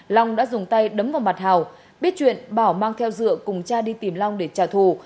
long đã dùng tay đấm vào mặt hào biết chuyện bảo mang theo dựa cùng cha đi tìm long để trả thù